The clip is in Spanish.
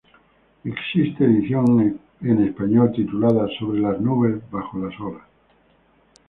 Existe edición en español titulada "Sobre las nubes, bajo las olas".